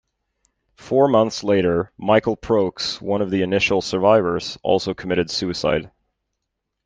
Four months later, Michael Prokes, one of the initial survivors, also committed suicide.